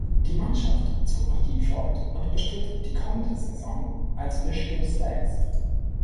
Die Mannschaft zog nach Detroit und bestritt die kommende Saison als Michigan Stags.